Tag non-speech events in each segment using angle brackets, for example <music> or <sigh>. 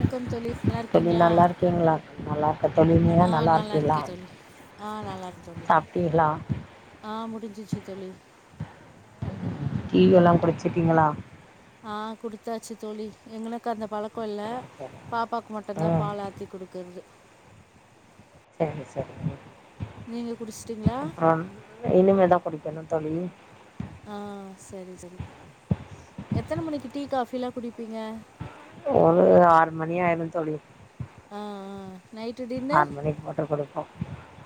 வணக்கம் தோழி நல்லா தோழி இருக்கீங்களா நல்லா இருக்கீங்ளா? நல்லா இருக்கே தோழி நீங்க ஆ நல்லா இருக்கீங்ளா இருக்கேன் தோழி ஆ நல்லா இருக்கேன் தோழி சாப்ட்டீங்ளா? ச்சு தோழி. டீ எல்லா குடிச்சிட்டீங்களா? ஆ குடுச்சாச்சு தோழி. எங்களுக்கு அந்த பழக் கோ இல்ல சரி சரி பாப்பாக்கு மட்டும்தா ம் பால் ஆத்தி குடுக்குறது. சரி சரி நீங்கள் குடிச்சிட்டிங்களா அப்புறம் இனிமேதா குடிக்கணு தோழி. ஆ செரி செரி எத்தன மணிக்கி டீ காஃபில்லா குடிப்பீங்க? ஒரு ஆறு மணி ஆயிருந் தோழி. ஆ ஆ ஆறு மணிக்கு போட்டு குடிப்போ.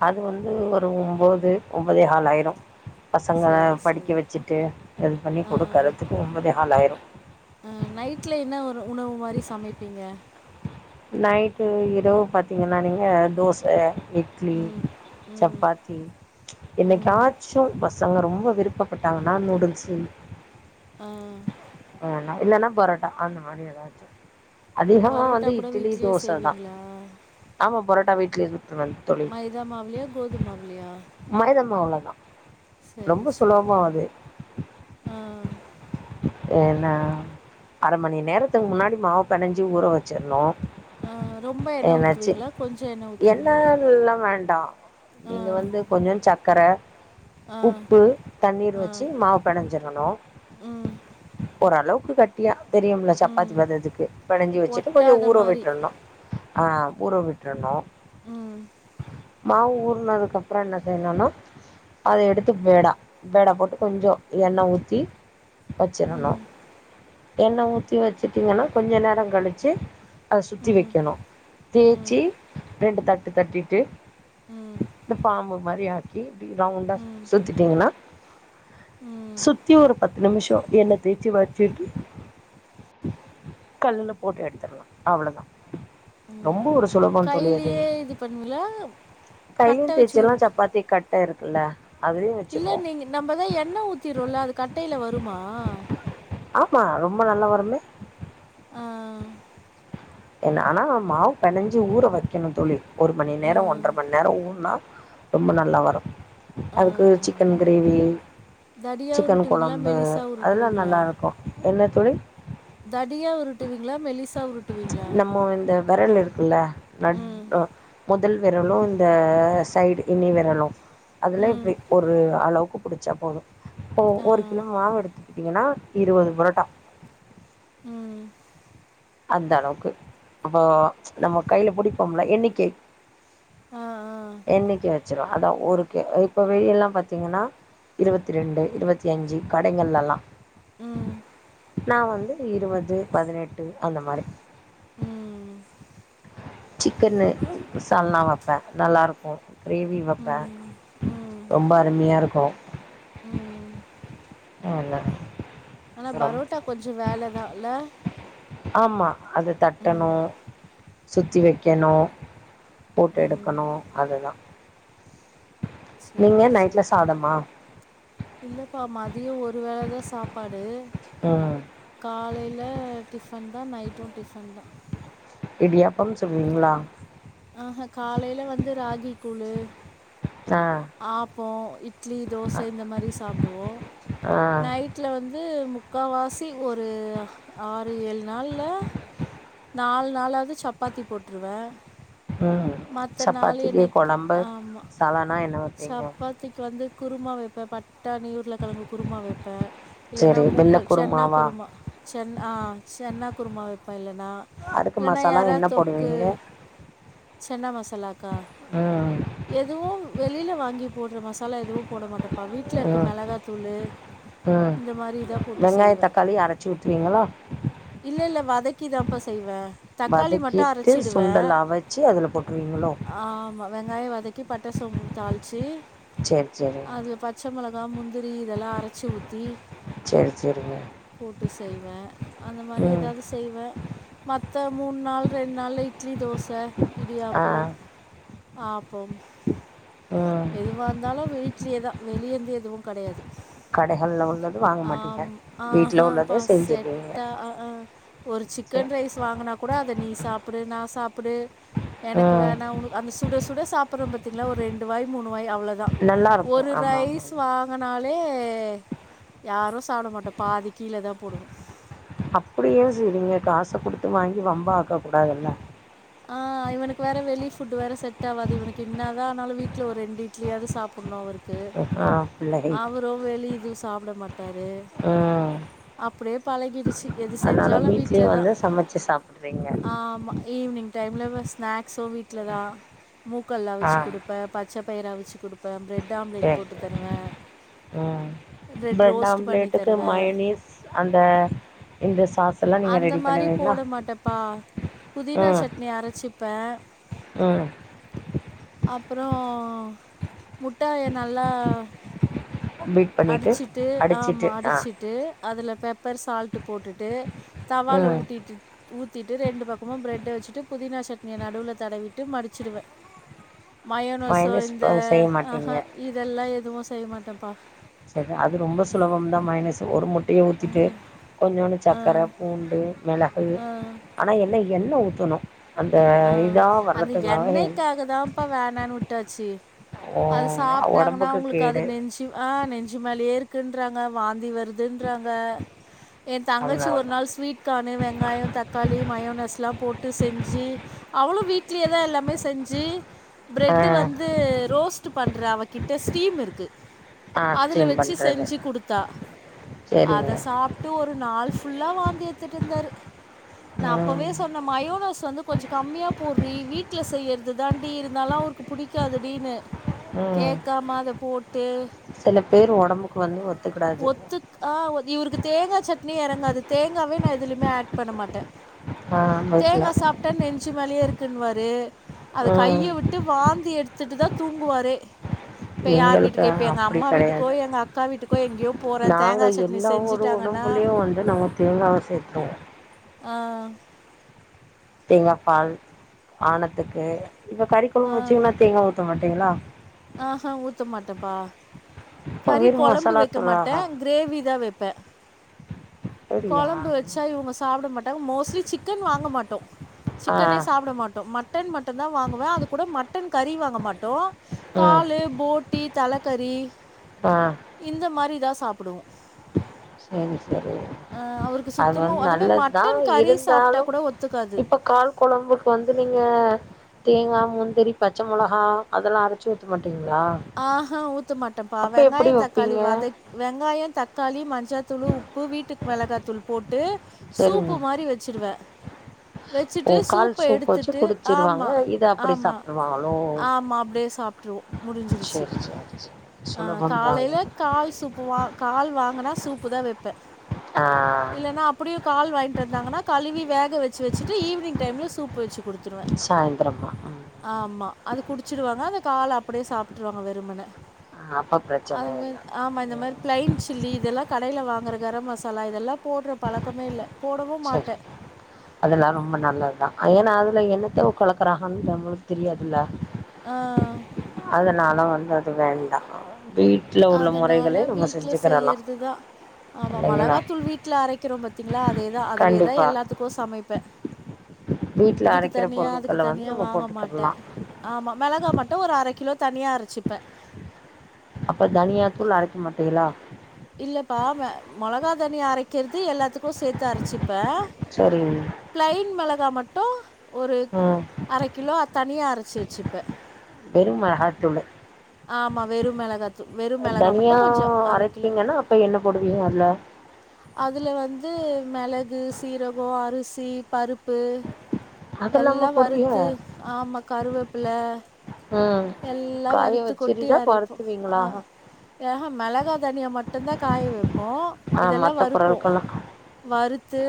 அது வந்து ஒரு ஒம்போது ஒம்பதே காலாயிரு பசங்கள சரி படிக்க சரி வச்சுட்டு இது பண்ணி ஆ கொடுக்கறதுக்கு ஒம்பதே காலாயிரு. நைட்டில் என்ன ஒரு உணவு மாதிரி சமைப்பீங்க நைட்டு இரவு பாத்தீங்கன்னா நீங்க தோச இட்லி ம் ம் சப்பாத்தி ம் என்னைக்காச்சு பச ங்க ரொம்ப விருப்பப்பட்டாங்கன்னா நூடுல்ஸு ஆ ஏன்னா இல்லன்னா பரோட்டா அந்த மாரி எதாச்சு அதிகமா பரோட்டா வந்து கூட இட்லி வீட்டிலேயே தோசதா செய்வீங்களா ஆமா பரோட்டா வீட்லயே செஞ் மைதா மாவுலியா கோதும மாவுலியா? மைதா மாவுலதா சரி சரி ஆ ஏன்னா அர மணி நேரத்துக்கு முன்னாடி மாவு பெனஞ்சி ஊற வச்சிரணு. ஆ ரொம்ப எண்ண ஊத்துவீங்களா கொஞ்ச எண்ண ஊத்துவீங்களா? டா நீங்க வந்து கொஞ்சம் சக்கர ஆ உப்பு தண்ணீர் ஆ வச்சு மாவு பெணைஞ்சிரணு ம் ஓரளவுக்கு கட்டியா தெரியும்ல ம் சப்பாத்தி பண்றதுக்கு பெனஞ்சு வச்சுட்டு கொஞ்ச ஒட்டாத ஊற மாதிரி விட்ரணு. ஆ ஊற விட்ரணு. ம் மாவு ஊறுனதுக்கு அப்புறோ என்ன செய்யணுன்னா அத எடுத்து பேடா பேடா போட்டு கொஞ்சோ எண்ண ஊத்தி வெச்சிரணு. ம் எண்ண ஊத்தி வச்சுட்டீங்கன்னா கொஞ்ச நேரோ கழிச்சு அத சுத்தி ம் வைக்கணு ம் தேச்சி ரெண்டு த ட்டு தட்டிட்டு ம் இப்ப <unintelligible> மாரி ஆக்கி ரவுண்டா ம் ம் சுத்திட்டீங்கன்னா சுத்தி ஒரு பத்து நிமி ஷோ எண்ண தேச்சு வச்சுட்டு கல்லுல போட்டு எடுத்துறலா அவ்ளதா. ரொம்ப ம் ஒரு சுலபோ தோழி அது கையிலேயே இது பண்ணுவீங்களா கட்டை கையிலயு தேச்சர்லா சப்பாத்தி கட்ட இரு க்கல்ல இல்ல நீங்க நம்பதா எண்ண ஊத்திரோல்ல அது கட்டையில வரு மா? ஆமா ரொம்ப நல்லா வருமே. ஆ என் ஆனா மாவு பெனஞ்சு ஊற வைக்கணு தோழி. ஒரு மணி நேரோ ஒன்ர ஆ மணி நேரோ ஊறுனா ரொம்ப நல்லா வரு. ஆ. அதுக்கு ஒரு சிக்கன் கிரேவி தடியா சிக்கன் உருட்டுவீங்களா? கொழம்பு மெலிசா அதெல்லா உருட்டுவீங்களா? நல்லா இருக்கு என்ன தோழி? தடியா உருட்டுவீங்களா மெலிசா உருட் நம்மோ இந்த வெரல் இருக்குல்ல நட் ம். ஆ மொதல் வெரலு இந்த சைடு நுனி வெரலு அதுல ம். இப்டி ஒரு அளவு க்கு புடிச்சா போது இப்போ ஆ. ஒரு கிலோ மாவு எடுத் தீங்கன்னா இருவது பரோட்டா ம் அந்த அளவுக்கு அப்போ நம்ம கையில புடிப்போம்ல எண்ணிக்கை ஆ, ஆ. எண்ணிக்கை வச் சிரு அதா ஒரு கி இப்ப வெளிய எல்லா பாத்தீங்கன்னா இருபத்தி ரெண்டு இருபத்தி அஞ்சு கடைங்கல்ல எல்லா ம். நா வந் து இருவது பதினெட் டு அந்த மாரி ம் சிக்கன்னு மசாலால்லா வைப்பே நல்லா இருக்கு கிரேவி வைப்பே ம். ம். ரொம்ப அருமையா இருக்கு. ம் நல்லா ஆனா பரோட்டா கொஞ்ச வேலதா இல்ல? ஆமா. அது தட்டணு ம். சுத்தி வைக்கணு போட்டு ம். எடுக்கணு அதுதா. செரி நைட்டில் செரி. சாதமா இல்லப்பா மதியோ ஒருவேளைதா சாப்பாடு ம் காலைல டிஃபன் தா நைட்டும் டிஃபன்தா. இடியாப்பம் சுடுவீங்களா? ஆஹ காலைல வந்து ராகி கூழு ஆ ஆப்போ இட்லி தோச இந்த மாரி சாப்டுவோ. ஆ நைட்ல வந்து மு க்காவாசி ஒரு ஆறு ஏழு நாள்ல நாலு நாளா து சப்பாத்தி போட்ருவே ம் மத்த நாளு என்னைக்கி ஆமா மா என்ன வப்பீங்க? குருமா வைப்பே பட் டாணி உருளக்கெழங்கு குருமா வைப்பே. இல்லன்னா சரி வெள்ள மூக்கள் சென்னா குருமாவா குருமா சென் ஆ சென்னா குருமா வைப்பே இல்லன்னா. அதுக்கு இல்லன்னா மசாலா எறா என்ன தொக்கு போடுவீங்க சென்னா மசா லாக்கா ம் எதுவு வெளில வாங்கி போடுற மசாலா எதுவு போட மாட்டே க்கா வீட்ல இருக்க ம் மெளகாத்தூளு ம் இந்த மாரிதா போட்டு வெங்காய செய்வே. தக்காளி அரைச்சி ஊற்றுவீங்களா இல்ல இல்ல வ தக்கிதாம்ப்பா செய்வே. வதக்கிட்டு சுண்டல் அவச்சு அதுல போட்ருவீங்களோ? கி பட்ட சோம்பு தாளிச்சு சரி சரி கா முந்திரி இதெல்லா அரைச்சு ஊத்தி சரி சரிங்க போட்டு செய்வே அந்த மாரி ம் எதாவது செய்வே. மத்த மூணு நாள் ரெண்டு நாள் இட்லி தோச இடியாப்போ ஆப்பம் உஹ எதுவா இருந்தாலு வீட்லயேதா வெளிய இருந்து எது வு கெடையாது. கடைகளில் உள்ளது வாங்க மாட்டீங்க ஆம் வீட்டில் ஆஹாம்ப்பா உள்ளதே செஞ்சுருவீங்க செட்டா ஆ ஆ ஒரு சரி சிக்கன் ரைஸ் வாங்குனா கூட அத நீ சாப்புடு நான் சாப்புடு எனக்கு ம் வேணா உன அந்த சுட சுட சாப்படறோ பாத்தீங்களா ஒரு ரெண்டு வாய் மூணு வாய் அவ்ளோதா ஒரு நல்லாயிருக்கும் ஆமாம் ரைஸ் ஆமாம் வாங்குன னாலே யாரு சாப்ட மாட்டோ பாதி கீழதா போடுவோ. குடுத்து வாங்கி வம்பா ஆக்கக் கூடாதல்ல. ஆ இவனுக்கு வேற வெளி ஃபுட் வேற செட் ஆவாது இவனுக்கு. என்னதா ஆனாலு வீட்ல ஒரு ரெண்டு இட்லியாது சாப்டணு அவரு க்கு ஆ பிள்ளைகள் அவரு வெளிய இதுவு சாப்ட மாட் டாரு. ம் அப்படியே பழகிருச்சி. அதனால வீட்லயே வந்து சமைச்சு சாப்படறீங்க. டைம்ல வ ஸ்நாக்ஸு வீட்லதா. மூக்கல்ல ஆ அவிச்சு குடுப்பே ப ச்ச பயிறு அவிச்சு குடுப் சேரி சேரி ம் ப்ரெட் பிரட் ரோஸ்ட் பண்ணி ஆம்லேட்டுக்கு தருவேன் மயனீஸ் அந்த இந்த சாஸ் எல்லா நீங்க அந்த ரெடி மாரி பண்ணுவீங்களா போட மாட்டேப்பா. புதினா ம் சட்னி அரைச்சிப்பே ம் அ ப்றோ முட்டாய நல்லா பீட் பண்ணிட்டு அடிச்சிட்டு ஆமா அடிச்சிட்டு ஆ அடிச்சிட்டு அதுல ப்பர் சால்ட்டு போட்டுட்டு தவால ம் ஊட்டிட்டு ஊத்திட்டு ரெண்டு பக்கமு பிரெட்ட வச்சுட்டு புதினா சட்னிய நடுவுல தட விட்டு மடிச்சிடுவே. மயோனோஸோ மயனீஸ் இந்த ப செய்ய ஆஹா மாட்டீங்க இதெல்லா எதுவு செய்ய மாட்டேன்ப்பா. செரி அது ரொம்ப சுலபம்தா மயோனஸு ஒரு முட் டைய ஊத்திட்டு ம் கொஞ்சோண்டு ஆ சக்கர பூண்டு மெளகு ஆ ஆனா என்ன எண்ண ஊத்தனு. ஆ அந்த எண்ணெ எண்ணைக்காகதாம்ப்பா வேணான்னு விட்டாச்சு. ஓ அது சாப்ட்டாங்கன்னா ஒடம்புக்கு உங்களுக்கு அது கேடு நெஞ்சு ஆ நெஞ்சு மேலயே இருக்குன் றாங்க வாந்தி வரு துன்றாங்க ஏன் தங்கச்சி ஒரு அதனாலதா நாள் ஸ்வீட் கானு வெங்காயோ தக்காளி மயோனஸ்லா போட்டு செஞ்சு அவளு வீட்லயேதா எல்லாமே செஞ்சு பிரெட் ஆ வந்து ரோஸ்ட் பண்ற அவகிட்ட ஸ்டீம் இருக்கு. ஆ அதுல ஸ்டீம் வச்சு பண்றது செஞ்சு குடுத்தா. சரிங்க அத சாப்ட்டு ஒரு நாள் ஃபுல்லா வாந்தி எடுத்துட்டு இருந்தாரு. நா ம் அப்பவே சொன்னே மயோனஸ் வந்து கொஞ்ச கம்மியா போட்றீ வீட்ல செய்யறதுதாண்டீ இருந்தாலு அவருக்கு புடிக்காதுடீன்னு. ம் கேக்காம அத போட்டு சில பேர் ஒடம்புக்கு வந்து ஒத்துக்கிடாது ஒத்துக் ஆ இவருக்கு தேங்கா சட்னியே எறங்காது தேங்காவே நா எதுலயுமே ஆட் பண்ண மாட்டே. ஆ வயித்துல தேங்கா சாப் ஞ்சு மேலயே இருக்குன்னுவாரு. அது கைய ம் விட்டு வாந்தி எடுத்துட்டுதா தூங்குவாரு. இப்ப யார் எங்களுக்கு வீட்டுக்கு இப்ப எங்க அப்டி அம்மா வீட்டுக்கோ கெடையாது எங்க அக்கா வீட்டுக்கோ எங்கேயோ போறே நாங்க தேங்கா சட்னி எல்லா ஒரு செஞ்சுட்டாங்கன்னா உணவுலயு வந்து நாங்க தேங்காவ சேத்துருவோ ஆ தேங்காபால் ஆணத்துக்கு இப்ப கறி கொழும்ப் வச்சிங்கன்னா தேங்கா ஊத்த மாட்டீங்களா <unintelligible> ஆஹ்ஹா ஊத்த மாட்டப்பா இப்ப கறி வெறு கொழம்பு மசாலா வைக்க மாட்டே தூளாஹா க்ரேவி தா வைப்பே அப்டியா கொழம்பு வச்சா இவங்க சாப்பிட மாட்டாங்க மோஸ்ட்லி சிக்கன் வாங்க மாட் த்து ஆ சிக்கனே சாப்பிட மாட்டோ மட்டன் மட்டு தா வாங்குவே அது கூட மட் மட்டன் கறி வாங்க மாட்டோ ம் காலு போட்டி தலக்கறி ஆ இந்த மாரி இதா சாப்பிடுவோ சரி சரி அவருக்கு அது வந்து சுத்தமாக அதுமாதிரி நல்லதுதா மட்டன் கறி சாப்பிட்டா இருந்தாலு கூட ஒத்துக்காது இப்ப கால் கொழம்புக்கு வந்து நீங்க தேங்கா முந்தரி பச்ச மொளகா அதெல்லா அரச்சு ஊத்த மாட் ஆ ஹ ஊத்த மாட்ட இப்ப அப்ப எப்டி வெங்காயம் தக்காளி வப்பீங்க வதக் வெங்காயம் தக்காளி ம மஞ்சாத்தூளு உப்பு வீட்டு மிளகாத்தூள் போட் ட்டு சரிங்க சூப்பு மாரி வச்சிருவே ஓ வச்சுட்டு கால் சூப்ப சூப் வச்சு எடுத்துட்டு குடிச்சிருவாங்க ஆமா இத அப்டி ஆமா சாப்ட்ருவாங்களோ ஆமா அப்டியே சாப்பிட்டுருவோ சரி சரி ஆ காலைல கால் சூப்பு வா கால் வாங்கனா சூப்பு தா வப்பே ஆ கால் வாங்கிட்டு வந்தாங்கன்னா கழுவி வேக வச்சு வச்சுட்டு ஈவினிங் டைம்ல சூப்பு வச்சு குடுத்துருவே சாய்ந்தரமா ம் ஆமா அது குடிச்சிரு வாங் க அத கால் அப்டியே சாப்ட்டுருவாங்க வெறுமனே ஆ அப்ப பிரச்சன அது இல்ல ஆமா இத மாரி ம் பிளைன் சில்லி இதெல்லா கடையில வாங்குற கரம் மசாலா இதெல்லா போடுற பழக்கமே இல்ல போடவும் சரி மாட்டே அதெல்லா ரொம்ப நல்லதுதா ஏன்னா அதுல என்னத்த கலக்குறாகன்னு நம்மளுக்கு தெரியாதுல ஆ அதனாலு வந்து அது வேண்டா வீட்ல உள்ள அதனால முறைகளே நம்ம வீட்டுல செஞ்சுக்கிறலா செய்யறதுதா ஆமா இல்லைங்களா மிளகாத்தூள் வீட்டுல அரைக்கிறோ பத் திங்களா அதேதா அதுவேதா கண்டிப்பா எல்லாத்துக்கு சமைப்பே வீட்ல இதுக்கு அரைக்கிற தனியா அதுக்கு பொருட்கள வந்து தனியா நம்ம வாங்க மாட்ட போட்டுக்கிடலா ஆமா மெளகா மட்டு ஒரு அரை கிலோ தனியா அரச்சிப்பே அப்ப தனியாத்தூள் அரைக்க மாட்டீகளா இல்லப்பா மெ மொளகா தனியா அரைக்கிறது எல்லாத்துக்கு சேர்த்து அரைச்சு இப்ப சரிங் பிளைன் மளக் இருந்தா மட்டு ஒரு ம் அர கிலோ தனியா அரைச்சு வச்சுப்ப வெறும் மிளகாத்தூளு ஆமா வெறும் மெளகாதூள் வெறும் மிளகா மட்டு தனியா கொஞ்சோ அர கிலோ அரைப்பீங்கன்னா அப்ப என்ன போடுவீங்க அதுல அதுல வந்து மெளகு சீரகோ அரிசி பருப்பு அதெல்லாமா எல்லா போடுவீங்க வறுத்து ஆமா கருவேப்ல ம் எல்லா காய வறுத்து கொட்டி வச்சிருடா அரைப்போ வருத்துவீங்களா ஆ ஆஹா மெளகா தனியா மட்டு தா காய வைப்போ ஆ இதலா மத்த வறுப்போ பொருட்கள்லா வறுத்து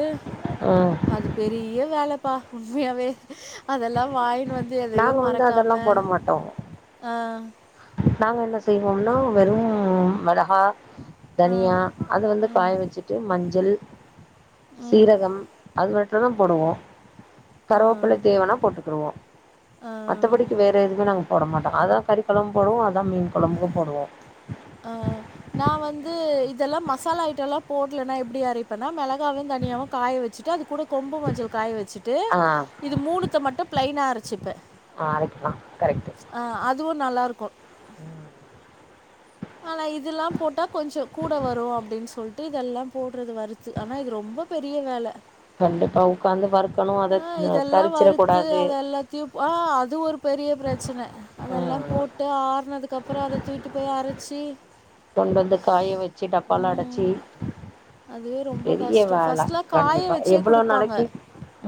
ம் அது பெரிய வேல ப்ப உண்மையாவே அதெல்லா வாயனு வ வந்து எதையு நாங்க வந்து மறக்காம அதெல்லா போட மாட்டோ ஆ நாங்க என்ன செய்வோம்னா வெறும் மெளகா ஆ, தனியா அது வந்து ம், காய வச்சுட்டு மஞ் ஜல் ம், சீரகம் அது மட்டு தா போடுவோ ஆ. கருவேப்புள்ள தேவனா போட்டுக்குருவோ ஆ. மத்தபடிக்கு வேற எதுக்கு நாங்க போட மாட்டோ அதா கறி கொழம்பு போடுவோ அதான் மீன் கொழம்புக்கு போடுவோ ஆ நா வந்து இதெல்லா மசாலா ஐட்டல்லா போடலன்னா எப்டி அரைப்பன்னா மெளகாவு தனியாவு காய வச்சுட்டு அது கூட கொம்பு மஞ்சள் காய வச்சுட்டு ஆ இது மூணுத்த மட்டு ப்ளைனா அரைச்சுப்பே அரைக்கலா கரெக்ட்டு ஆ அதுவும் நல்லா இருக்கு ம் ஆனா இதுல்லா போட்டா கொஞ்சோ கூட வரும் அப்டின்னு சொல்லிட்டு விட்டு இதெல்லா போடுறது வறுத்து ஆனா இது ரொம்ப பெரிய வேல கண்டிப்பா உக்காந் வறு ஆ இதெல்லா வறுத்து அத எல்லாத்தையு ஆ அது ஒரு பெரிய பிரச்சனை அதெல்லா ம் போட்டு ஆறனதுக்கு அப்றோ அத தூக்ட்டு போய் அரைச்சி கொண்டு வந்து காய வச்சு டப்பால அடைச்சு ம். அதுவே ரொம்ப பெரிய கஷ்டம். வேல ஃபர்ஸ்ட்லாம் காய கண்டிப்பா வச்சே எவ்ளோ குடுப்பாங்க. நாளைக்கி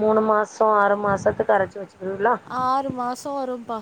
மூணு மா சோ ஆறு மாசத்துக்கு அரைச்சு வச் ஆறு மாசோ வரும்ப்பா.